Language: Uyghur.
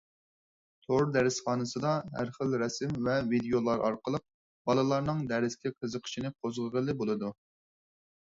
تور دەرسخانىسىدا ھەر خىل رەسىم ۋە ۋىدىيولار ئارقىلىق بالىلارنىڭ دەرسكە قىزىقىشىنى قوزغىغىلى بولىدۇ.